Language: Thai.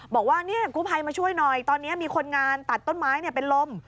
บอกว่ากู้ภัยมาช่วยหน่อยตอนนี้มีคนงานตัดต้นไม้เป็นลม